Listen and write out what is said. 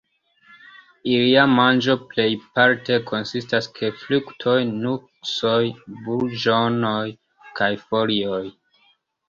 Ilia manĝo plejparte konsistas ke fruktoj, nuksoj, burĝonoj kaj folioj.